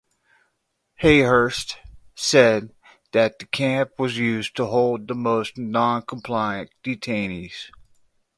Hayhurst said that the camp was used to hold the most non-compliant detainees.